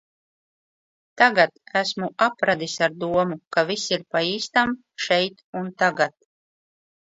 Tagad esmu apradis ar domu, ka viss ir pa īstam, šeit un tagad.